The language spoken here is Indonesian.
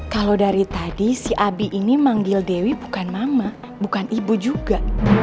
kalau dari tadi si abi ini manggil dewi bukan mama bukan ibu juga